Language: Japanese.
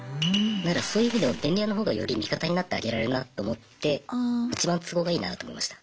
そういう意味でも便利屋のほうがより味方になってあげられるなと思っていちばん都合がいいなと思いました。